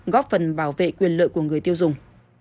góp phần bảo vệ quyền lợi của người tiêu dùng